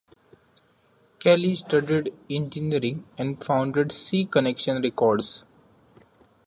Kelly studied engineering, and founded C Connection Records.